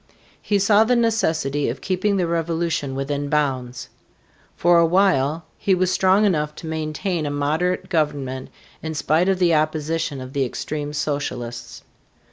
He saw the necessity of keeping the revolution within bounds. For a while he was strong enough to maintain a moderate government in spite of the opposition of the extreme socialists.